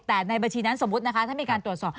แต่ในบัญชีนั้นสมมุตินะคะถ้ามีการตรวจสอบ